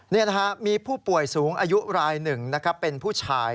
นี่นะฮะมีผู้ป่วยสูงอายุรายหนึ่งนะครับเป็นผู้ชาย